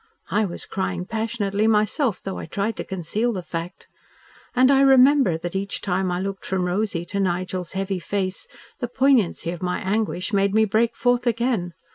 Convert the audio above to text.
I was crying passionately myself, though I tried to conceal the fact, and I remember that each time I looked from Rosy to Nigel's heavy face the poignancy of my anguish made me break forth again.